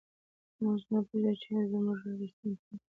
موږ نه پرېږدو چې زموږ ارزښتونه پیکه سي.